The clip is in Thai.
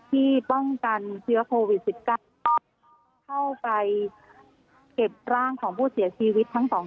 ที่ป้องกันเชื้อโควิด๑๙เข้าไปเก็บร่างของผู้เสียชีวิตทั้งสองคน